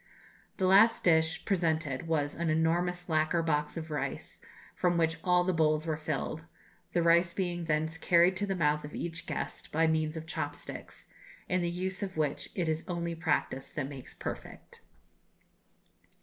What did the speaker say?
The last dish presented was an enormous lacquer box of rice, from which all the bowls were filled the rice being thence carried to the mouth of each guest by means of chopsticks, in the use of which it is only practice that makes perfect.